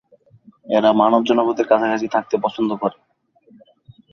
এর মানব জনপদের কাছাকাছি থাকতে পছন্দ করে।